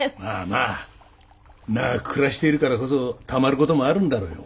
まあまあ長く暮らしているからこそたまる事もあるんだろうよ。